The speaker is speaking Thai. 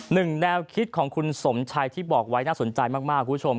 แนวคิดของคุณสมชัยที่บอกไว้น่าสนใจมากคุณผู้ชม